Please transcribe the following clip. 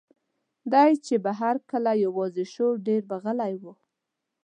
دی چې به هر کله یوازې شو، ډېر به غلی و.